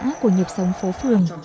nơi ổn ả của nhịp sống phố phường